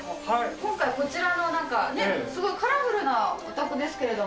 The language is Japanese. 今回、こちらのなんかね、すごいカラフルなお宅ですけれども。